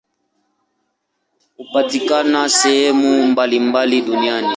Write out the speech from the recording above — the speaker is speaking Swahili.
Hupatikana sehemu mbalimbali duniani.